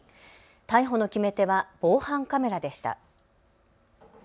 逮捕の決め手は防犯カメラでした。